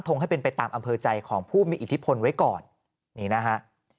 ให้เป็นไปตามอำเภอใจของผู้มีอิทธิพลไว้ก่อนนี่นะฮะ